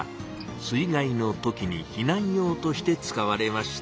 水害の時に避難用として使われました。